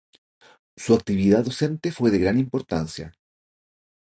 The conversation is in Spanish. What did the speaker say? Su actividad docente fue de gran importancia.